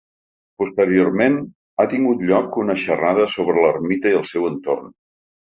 Posteriorment ha tingut lloc una xerrada sobre l’ermita i el seu entorn.